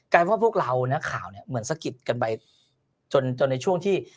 ว่าพวกเรานักข่าวเนี่ยเหมือนสะกิดกันไปจนในช่วงที่